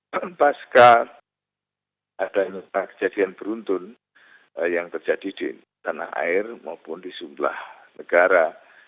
pembazka ada nyata kejadian beruntun yang terjadi di tanah air maupun di sebelah negara